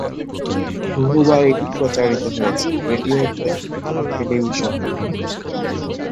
বহুবার এটি প্রচারিত হয়েছে রেডিওতে এবং টেলিভিশনে।